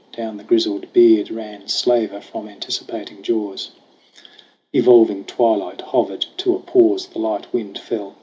Down the grizzled beard Ran slaver from anticipating jaws. Evolving twilight hovered to a pause. The light wind fell.